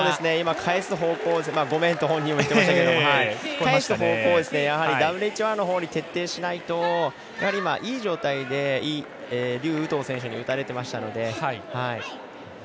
返す方向を「ごめん！」と本人も言ってましたけども、返す方向をＷＨ１のほうに徹底しないといい状態で劉禹とう選手に打たれていましたので。